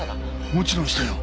もちろんしたよ。